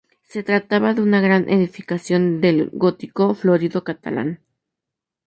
Se trataba de una gran edificación del gótico florido catalán.